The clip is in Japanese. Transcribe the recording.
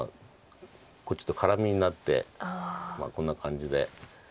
これちょっと絡みになってこんな感じで。